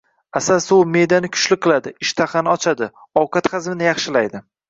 Asal suvi me’dani kuchli qiladi, ishtahani ochadi, ovqat hazmini yaxshilaydi.